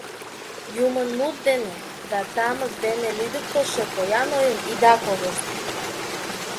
Юмын мут дене да тамык дене лӱдыктылшӧ поян ойым ида колышт!